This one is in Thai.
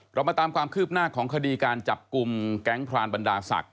เรามาตามความคืบหน้าของคดีการจับกลุ่มแก๊งพรานบรรดาศักดิ